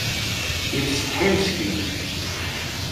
Yettsetḥi meskin.